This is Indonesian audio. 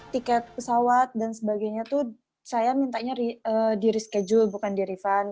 tiket pesawat dan sebagainya itu saya mintanya di reschedule bukan di refund